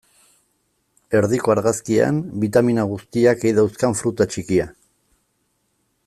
Erdiko argazkian, bitamina guztiak ei dauzkan fruta txikia.